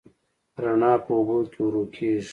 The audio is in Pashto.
رڼا په اوبو کې ورو کېږي.